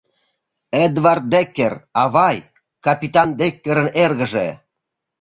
— Эдвард Деккер, авай, капитан Деккерын эргыже.